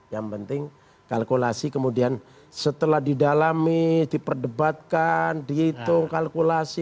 yang penting kalkulasi kemudian setelah didalami diperdebatkan dihitung kalkulasi